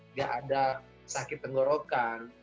nggak ada sakit tenggorokan